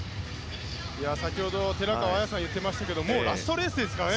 先ほど寺川綾さんが言っていましたがもうラストレースですね。